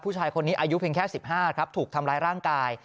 ผู้ชายคนนี้อายุเพียงแค่๑๕ครับถูกทำร้ายร่างกาย